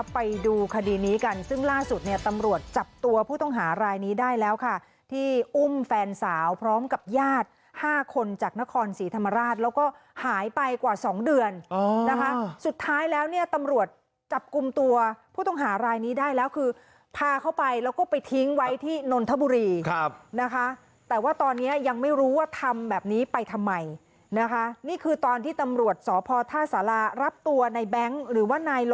ไปดูคดีนี้กันซึ่งล่าสุดเนี่ยตำรวจจับตัวผู้ต้องหารายนี้ได้แล้วค่ะที่อุ้มแฟนสาวพร้อมกับญาติ๕คนจากนครศรีธรรมราชแล้วก็หายไปกว่าสองเดือนนะคะสุดท้ายแล้วเนี่ยตำรวจจับกลุ่มตัวผู้ต้องหารายนี้ได้แล้วคือพาเข้าไปแล้วก็ไปทิ้งไว้ที่นนทบุรีนะคะแต่ว่าตอนนี้ยังไม่รู้ว่าทำแบบนี้ไปทำไมนะคะนี่คือตอนที่ตำรวจสพท่าสารารับตัวในแง๊งหรือว่านาย